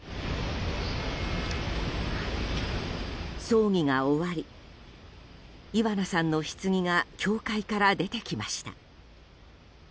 葬儀が終わりイバナさんのひつぎが教会から出てきました。